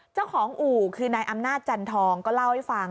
เจ้าของอู่คือนายอำนาจันทองก็เล่าให้ฟัง